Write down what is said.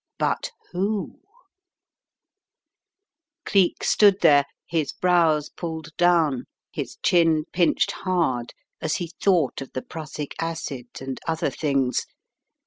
But who ? Cleek stood there, his brows pulled down, his chin pinched hard as he thought of the prussic acid and other things.